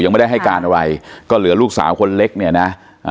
ไม่ได้ให้การอะไรก็เหลือลูกสาวคนเล็กเนี่ยนะอ่า